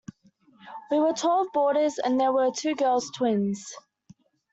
We were twelve boarders, and there were two girls, twins.